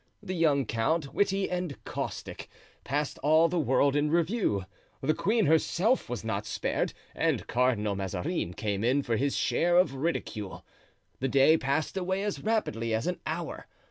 The young count, witty and caustic, passed all the world in review; the queen herself was not spared, and Cardinal Mazarin came in for his share of ridicule. The day passed away as rapidly as an hour.